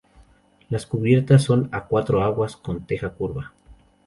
Las cubiertas son a cuatro aguas, con teja curva.